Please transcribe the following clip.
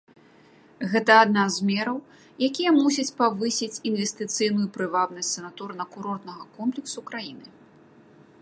Гэта адна з мераў, якія мусяць павысіць інвестыцыйную прывабнасць санаторна-курортнага комплексу краіны.